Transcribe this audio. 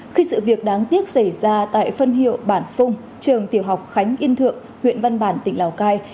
khi sự việc đáng tiếc xảy ra tại phân hiệu bản phung trường tiểu học khánh yên thượng huyện văn bản tỉnh lào cai